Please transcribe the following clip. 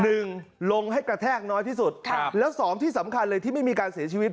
ลงให้กระแทกน้อยที่สุดครับแล้วสองที่สำคัญเลยที่ไม่มีการเสียชีวิต